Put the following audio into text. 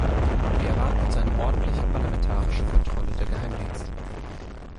Wir erwarten uns eine ordentliche parlamentarische Kontrolle der Geheimdienste.